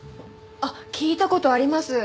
あっ聞いた事あります。